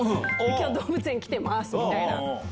きょう動物園来てますみたいな。